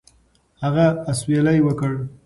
هغه اسویلی وکړ.